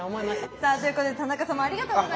さあということで田中様ありがとうございました。